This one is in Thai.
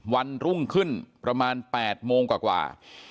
วันรุ่งขึ้นประมาณ๘โมงกว่า